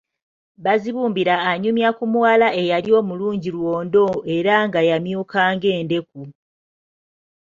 Bazibumbira anyumya ku muwala eyali omulungi lwondo era nga yamyuka ng'endeku.